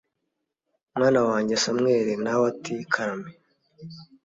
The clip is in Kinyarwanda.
mwana wanjye samweli na we ati karame